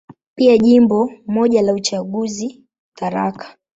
Pia Jimbo moja la uchaguzi, Tharaka.